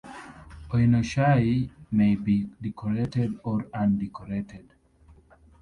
Oenochoai may be decorated or undecorated.